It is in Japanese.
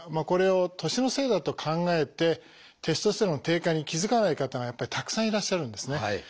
これを年のせいだと考えてテストステロンの低下に気付かない方がやっぱりたくさんいらっしゃるんですね。